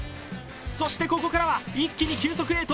そしてここからは一気に急速冷凍。